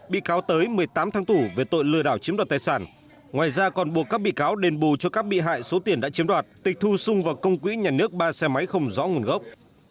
bị cáo tới một mươi tám tháng tù về tội lừa đảo chiếm đoạt tài sản ngoài ra còn buộc các bị cáo đền bù cho các bị hại số tiền đã chiếm đoạt tịch thu xung vào công quỹ nhà nước ba xe máy không rõ nguồn gốc